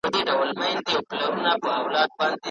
که ته پوښتنه ونه کړې نو ځواب نه مومې.